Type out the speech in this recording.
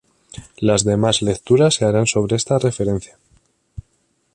Las demás lecturas se harán sobre esta referencia.